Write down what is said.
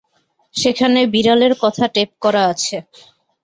সেখানে বিড়ালের কথা টেপ করা আছে।